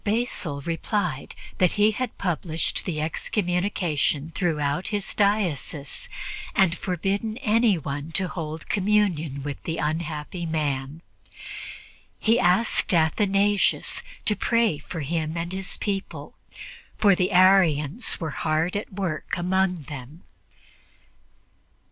Basil replied that he had published the excommunication throughout his diocese and forbidden anyone to hold communion with the unhappy man. He asked Athanasius to pray for him and his people, for the Arians were hard at work among them.